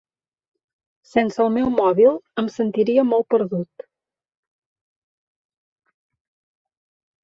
Sense el meu mòbil em sentiria molt perdut